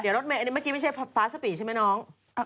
เดี๋ยวรถเมย์อันนี้เมื่อกี้ไม่ใช่ฟ้าสปีใช่ไหมน้อง